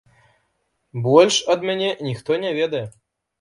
Больш ад мяне ніхто не ведае.